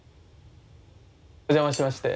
お邪魔しまして。